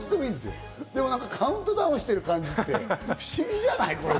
でもカウントダウンをしている感じって不思議じゃない？